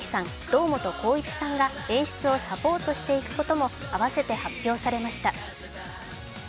堂本光一さんが演出をサポートしていくことも併せて発表されました。